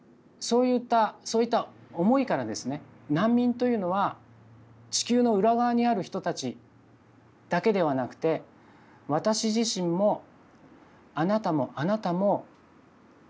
そういった思いからですね難民というのは地球の裏側にある人たちだけではなくて私自身もあなたもあなたも難民なんですという。